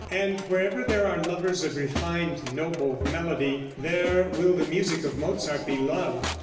And wherever there are lovers of refined, noble melody, there will the music of Mozart be loved.